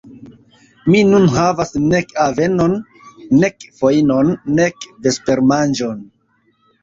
Mi nun havas nek avenon, nek fojnon, nek vespermanĝon.